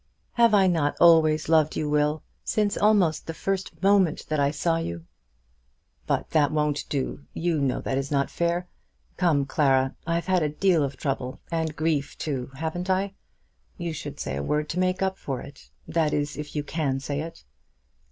"Have I not always loved you, Will, since almost the first moment that I saw you?" "But that won't do. You know that is not fair. Come, Clara; I've had a deal of trouble, and grief too; haven't I? You should say a word to make up for it; that is, if you can say it."